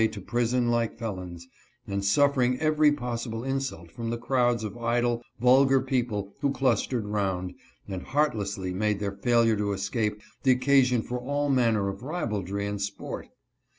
to prison like felons, and suffering every possible insult from the crowds of idle, vulgar people who clustered round, and heartlessly made their failure to escape the occasion for all manner of ribaldry and sport.